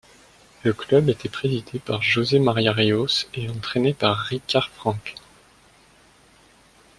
Le club était présidé par Jose Maria Rios et entrainé par Ricard Franch.